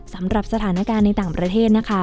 สำหรับสถานการณ์ในต่างประเทศนะคะ